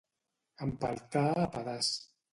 Empeltar a pedaç.